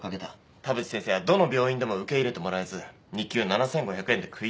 田淵先生はどの病院でも受け入れてもらえず日給７，５００円で食いつないでいる。